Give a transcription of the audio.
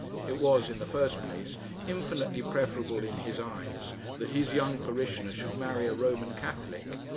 It was, in the first place, infinitely preferable in his eyes that his young parishioner should marry a Roman Catholic.